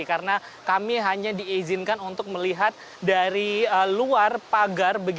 karena kami hanya diizinkan untuk melihat dari luar pagar